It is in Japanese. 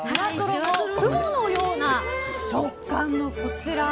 雲のような食感のこちら。